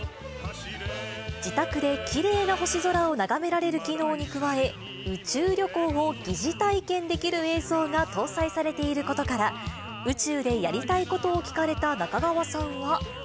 自宅できれいな星空を眺められる機能に加え、宇宙旅行を疑似体験できる映像が搭載されていることから、宇宙でやりたいことを聞かれた中川さんは。